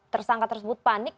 tersangka tersebut panik